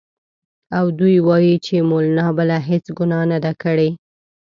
او دوی وايي چې مولنا بله هېڅ ګناه نه ده کړې.